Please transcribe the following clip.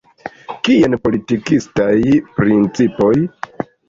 Kien politikistaj principoj?